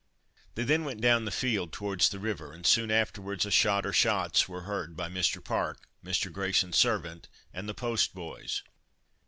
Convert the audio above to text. They then went down the field towards the river, and soon afterwards a shot or shots were heard by Mr. Park, Mr. Grayson's servant, and the post boys.